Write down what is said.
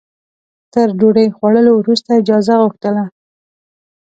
تر ډوډۍ خوړلو وروسته اجازه غوښتله.